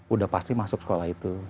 udah pasti masuk sekolah itu